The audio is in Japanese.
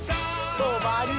とまるよ。